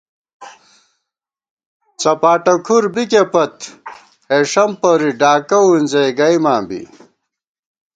څپاٹہ کھُر بِکے پت ہېݭم پوری ڈاکہ وُنزَئی گَئیماں بی